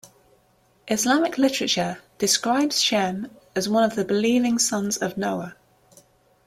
Islamic literature describes Shem as one of the believing sons of Noah.